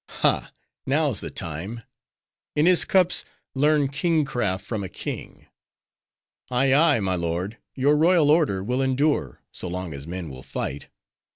"Ha, now's the time! In his cups learn king craft from a king. Ay, ay, my lord, your royal order will endure, so long as men will fight.